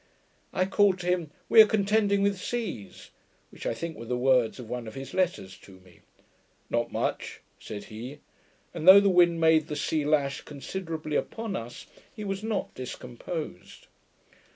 I called to him, 'We are contending with seas;' which I think were the words of one of his letters to me. 'Not much,' said he; and though the wind made the sea lash considerably upon us, he was not discomposed.